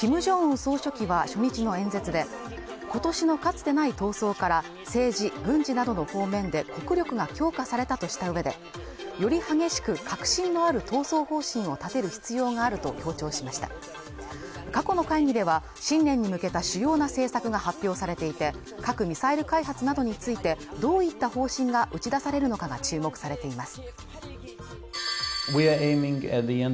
総書記は初日の演説でことしのかつてない闘争から政治軍事などの方面で国力が強化されたとしたうえでより激しく確信のある闘争方針を立てる必要があると強調しました過去の会議では新年に向けた主要な政策が発表されていて核・ミサイル開発などについてどういった方針が打ち出されるのかが注目されています